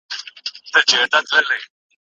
نفرت ژوند تریخوي.